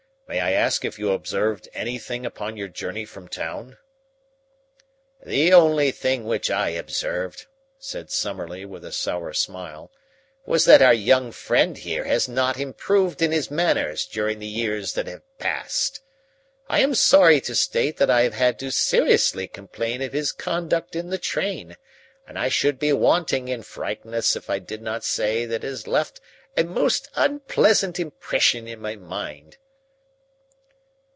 May I ask if you have observed anything upon your journey from town?" "The only thing which I observed," said Summerlee with a sour smile, "was that our young friend here has not improved in his manners during the years that have passed. I am sorry to state that I have had to seriously complain of his conduct in the train, and I should be wanting in frankness if I did not say that it has left a most unpleasant impression in my mind."